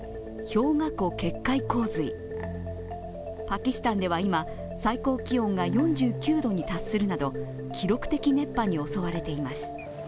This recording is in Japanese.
パキスタンでは今、最高気温が４９度に達するなど記録的熱波に襲われています。